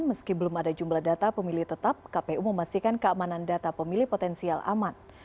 meski belum ada jumlah data pemilih tetap kpu memastikan keamanan data pemilih potensial aman